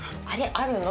「あるの？」